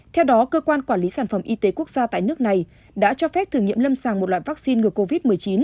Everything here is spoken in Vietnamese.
theo đó cơ quan quản lý sản phẩm y tế quốc gia tại nước này đã cho phép thử nghiệm lâm sàng một loại vaccine ngừa covid một mươi chín